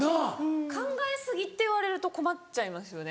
考え過ぎって言われると困っちゃいますよね。